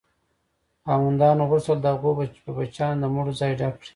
خاوندانو غوښتل د هغو په بچیانو د مړو ځای ډک کړي.